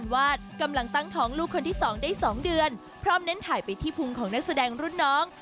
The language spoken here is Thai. ว่ากำลังตั้งท้องลูกคนที่สองได้๒เดือนพร้อมเน้นถ่ายไปที่พุงของนักแสดงรุ่นน้อง